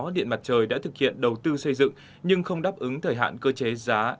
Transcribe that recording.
điện mặt trời đã thực hiện đầu tư xây dựng nhưng không đáp ứng thời hạn cơ chế giá